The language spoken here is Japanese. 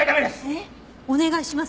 えっお願いします。